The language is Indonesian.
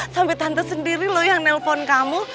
sampai tante sendiri loh yang nelpon kamu